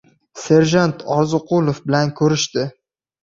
Serjant Orziqulov bilan ko‘rishdi.